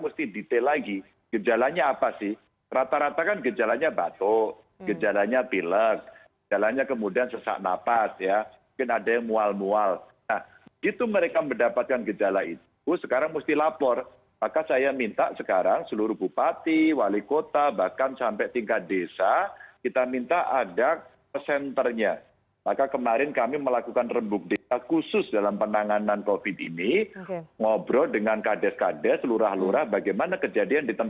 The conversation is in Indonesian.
selamat sore mbak rifana